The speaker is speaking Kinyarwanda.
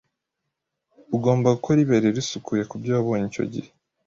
Ugomba gukora ibere risukuye kubyo wabonye icyo gihe